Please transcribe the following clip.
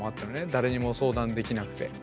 誰にも相談できなくて。